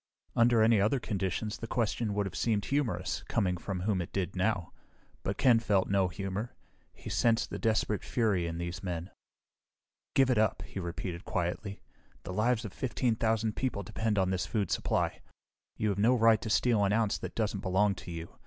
Under any other conditions, the question would have seemed humorous, coming from whom it did now. But Ken felt no humor; he sensed the desperate fury in these men. "Give it up," he repeated quietly. "The lives of fifteen thousand people depend on this food supply. You have no right to steal an ounce that doesn't belong to you.